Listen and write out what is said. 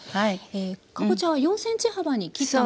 かぼちゃは４ｃｍ幅に切ったものです。